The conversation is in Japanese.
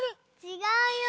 ちがうよ。